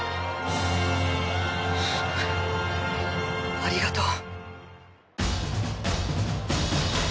ありがとう。